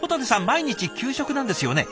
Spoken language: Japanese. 毎日給食なんですよね？